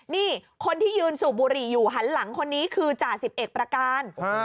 นี่คนที่ยืนสูบบุหรี่อยู่หันหลังคนนี้คือจ่าสิบเอกประการ